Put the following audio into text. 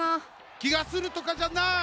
きがするとかじゃない！